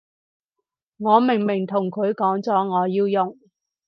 我明明同佢講咗我要用